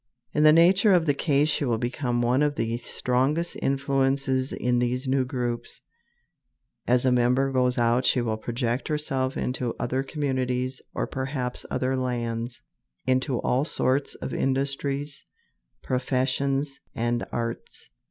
In the nature of the case she will become one of the strongest influences in these new groups. As a member goes out she will project herself into other communities or perhaps other lands, into all sorts of industries, professions, and arts.